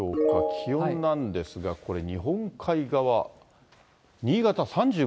気温なんですが、これ、日本海側、新潟３５．６度。